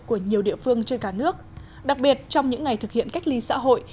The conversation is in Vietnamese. của nhiều địa phương trên cả nước đặc biệt trong những ngày thực hiện cách ly xã hội